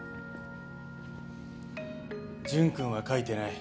・潤君は書いてない